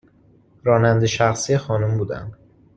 راننده شخصی خانم بودم